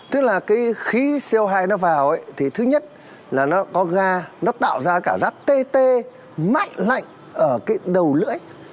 tức là cái khí co hai nó vào ấy thì thứ nhất là nó có ga nó tạo ra cảm giác tê tê mạnh lạnh ở cái đầu lưỡi